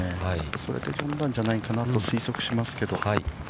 それで呼んだんじゃないかなと推測しますけど。